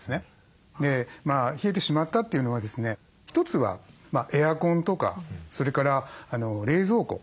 冷えてしまったというのはですね一つはエアコンとかそれから冷蔵庫